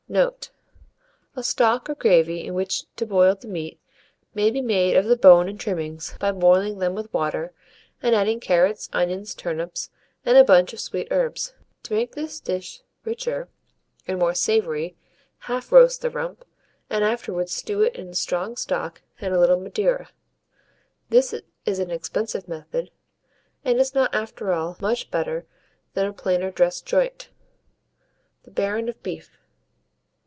Note. A stock or gravy in which to boil the meat, may be made of the bone and trimmings, by boiling them with water, and adding carrots, onions, turnips, and a bunch of sweet herbs. To make this dish richer and more savoury, half roast the rump, and afterwards stew it in strong stock and a little Madeira. This is an expensive method, and is not, after all, much better than a plainer dressed joint. THE BARON OF BEEF.